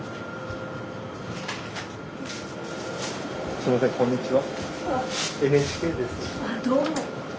すいませんこんにちは。